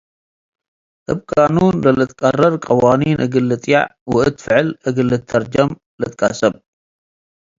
እብ ቃኑን ለልትቀረር ቀዋኒን እግል ልጥየዕ ወእት ፍዕል እግል ልተርጅም ልትቀሰብ።